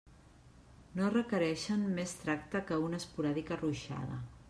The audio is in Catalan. No requereixen més tracte que una esporàdica ruixada.